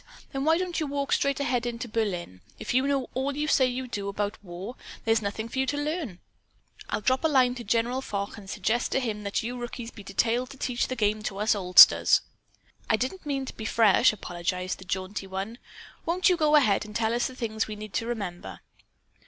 Then why don't you walk straight ahead into Berlin? If you know all you say you do, about war, there's nothing more for you to learn. I'll drop a line to General Foch and suggest to him that you rookies be detailed to teach the game to us oldsters." "I didn't mean to be fresh," apologized the jaunty one. "Won't you go ahead and tell us the things we need to remember?"